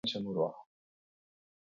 Hemen izango da elkarrizketa.